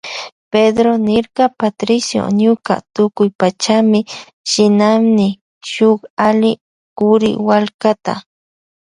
Pedró niyrka Patricio ñuka tukuypachami shinani shuk alli kuriwallkata.